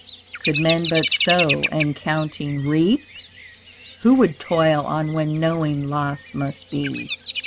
Could men but sow and counting reap? Who would toil on when knowing loss must be?